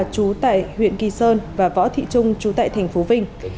chú tại huyện kỳ sơn và võ thị trung chú tại thành phố vinh